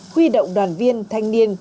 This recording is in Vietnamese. huy động đoàn viên thanh niên